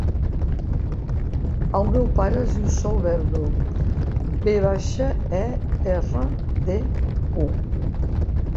El meu pare es diu Sol Verdu: ve baixa, e, erra, de, u.